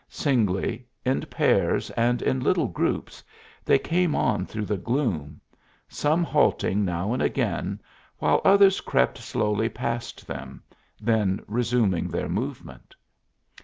Singly, in pairs and in little groups, they came on through the gloom, some halting now and again while others crept slowly past them, then resuming their movement.